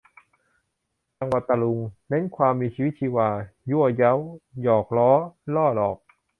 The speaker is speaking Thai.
จังหวะตะลุง เน้นความมีชีวิตชีวา ยั่วเย้า หยอกล้อ ล่อหลอก